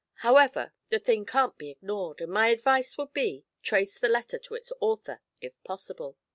However, the thing can't be ignored, and my advice would be, trace the letter to its author, if possible.'